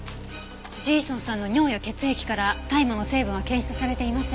ジェイソンさんの尿や血液から大麻の成分は検出されていません。